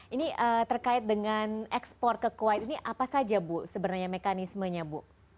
ini terkait dengan ekspor ke kuwait ini apa saja bu sebenarnya mekanismenya bu